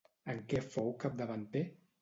En què fou capdavanter?